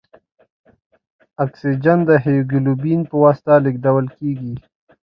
اکسیجن د هیموګلوبین په واسطه لېږدوال کېږي.